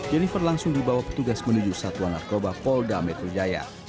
jennifer langsung dibawa petugas menuju satuan narkoba polda metro jaya